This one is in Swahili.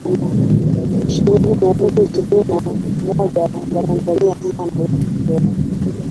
shilingi mia tatu ishirini na mmoja za Tanzania sawa na dola sifuri